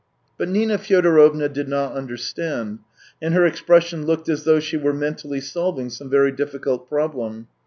But Nina Fyodorovna did not understand, and her expression looked as though she were mentally solving some very difficult problem.